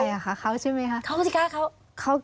ใครคะเขาใช่ไหมคะเขาสิคะเขา